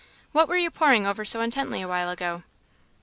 "What were you poring over so intently a while ago?"